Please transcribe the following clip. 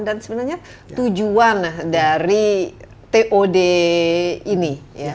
dan sebenarnya tujuan dari tod ini